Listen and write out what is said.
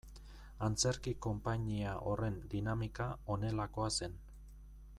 Antzerki konpainia horren dinamika honelakoa zen.